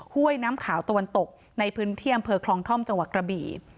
ห้วยน้ำขาวตะวันตกในพื้นที่อำเภอคลองท่อมจังหวัดกระบี่